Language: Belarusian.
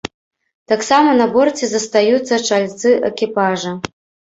Таксама на борце застаюцца чальцы экіпажа.